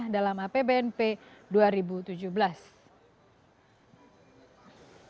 dalam apbnp dua ribu tujuh belas anggaran tersebut telah dikurangi pos belanja